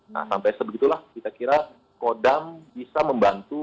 nah sampai sebegitulah kita kira kodam bisa membantu